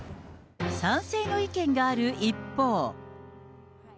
賛成の意見がある一方。